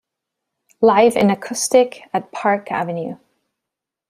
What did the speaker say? Live and Acoustic at Park Ave.